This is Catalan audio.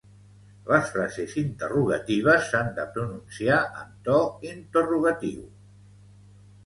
Les frases interrogatives s'han de pronunciar en to interrogatiu.